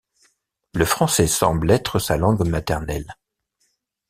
Le français semble être sa langue maternelle.